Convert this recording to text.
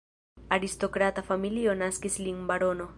Aristokrata familio naskis lin barono.